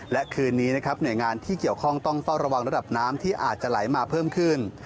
และคืนนี้นะครับหน่วยงานที่เกี่ยวข้องต้องเฝ้าระวังระดับน้ำที่อาจจะไหลมาเพิ่มขึ้น